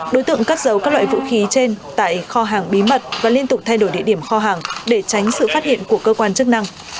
đối tượng cắt giấu các loại vũ khí trên tại kho hàng bí mật và liên tục thay đổi địa điểm kho hàng